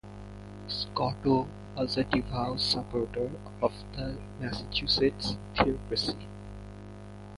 Scottow was a devout supporter of the Massachusetts theocracy.